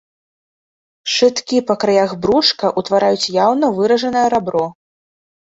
Шчыткі па краях брушка ўтвараюць яўна выражанае рабро.